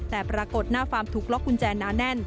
แต่ปรากฏหน้าฟาร์มถูกล็อกกุญแจหนาแน่น